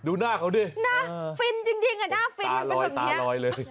ดูหน้าเขาดิหน้าฟินจริงอ่ะหน้าฟินมันเป็นแบบนี้ตาลอยเลย